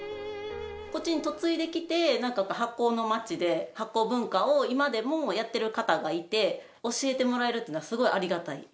こっちに嫁いできて、なんか発酵の町で、発酵文化を今でもやってる方がいて、教えてもらえるっていうのは、すごいありがたい。